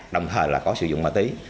đồng thời là có sử dụng mạ tí